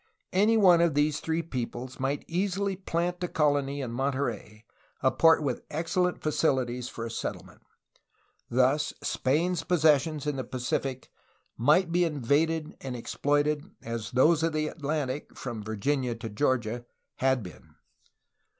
Any one of these three peoples might easily plant a colony in Monterey, a port with excellent facilities for a settlement. Thus Spain's possessions in the Pacific might be invaded and exploited as those of the Atlantic (from Virginia to Georgia) had been.